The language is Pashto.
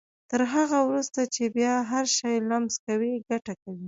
تر هغه وروسته چې بيا هر شی لمس کوئ ګټه کوي.